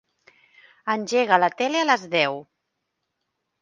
Engega la tele a les deu.